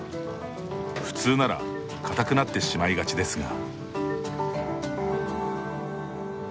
普通ならかたくなってしまいがちですが。